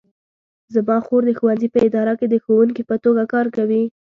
زما خور د ښوونځي په اداره کې د ښوونکې په توګه کار کوي